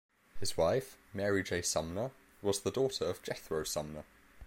His wife, Mary J. Sumner, was the daughter of Jethro Sumner.